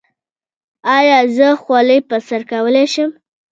ایا زه خولۍ په سر کولی شم؟